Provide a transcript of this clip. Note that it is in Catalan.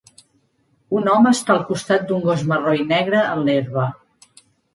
Un home està al costat d'un gos marró i negre en l'herba.